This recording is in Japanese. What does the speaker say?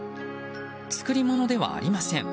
作り物ではありません。